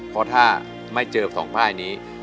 เพราะถ้าไม่เจอ๒ป้ายนี้